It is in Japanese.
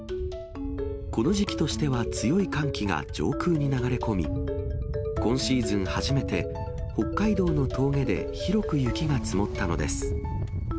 この時期としては強い寒気が上空に流れ込み、今シーズン初めて、北海道の峠で広く雪が積もったのです。